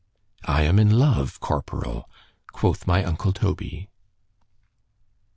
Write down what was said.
"I am in love, corporal!" quoth my uncle _Toby.